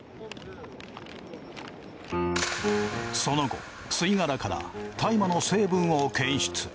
その後吸い殻から大麻の成分を検出。